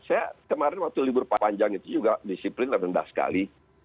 saya kemarin waktu libur panjang itu juga disiplin rendah sekali